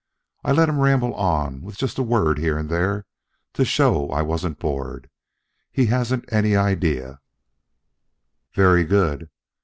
I let him ramble on with just a word here and there to show I wasn't bored. He hasn't an idea " "Very good.